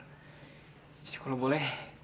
jadi kalau boleh